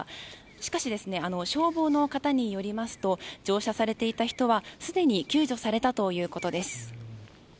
しかし、消防の方によりますと乗車されていた人はすでに救助されたということです。